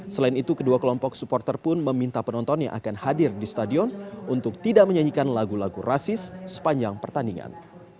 selain itu kedua kelompok supporter pun meminta penonton yang akan hadir di stadion untuk tidak menyanyikan lagu lagu rasis sepanjang pertandingan